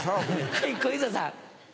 はい小遊三さん。